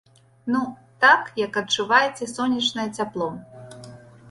Ну, так, як адчуваеце сонечнае цяпло.